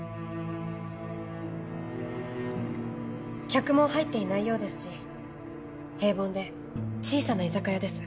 客も入っていないようですし平凡で小さな居酒屋です。